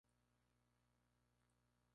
Se hornea de varias maneras.